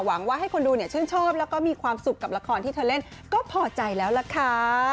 หวังว่าให้คนดูชื่นชอบแล้วก็มีความสุขกับละครที่เธอเล่นก็พอใจแล้วล่ะค่ะ